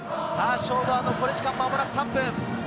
勝負は残り時間、間もなく３分。